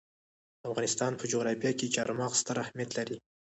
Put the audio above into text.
د افغانستان په جغرافیه کې چار مغز ستر اهمیت لري.